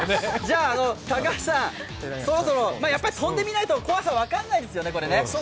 高橋さんそろそろ飛んでみないとこれ、怖さ分からないですよね。